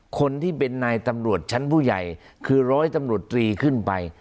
คนที่เป็นนายตำรวจชั้นผู้ใหญ่คือร้อยตำรวจตรีขึ้นไป